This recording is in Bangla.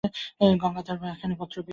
গঙ্গাধর ভায়ার একখানি পত্র পাইয়াছি।